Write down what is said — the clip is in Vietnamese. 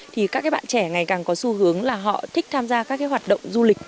thì các bạn trẻ ngày càng có xu hướng là họ thích tham gia các cái hoạt động du lịch